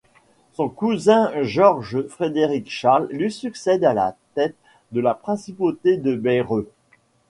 Son cousin Georges-Frédéric-Charles lui succède à la tête de la principauté de Bayreuth.